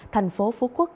tp phú quốc